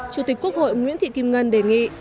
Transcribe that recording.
chủ tịch quốc hội nguyễn thị kim ngân đề nghị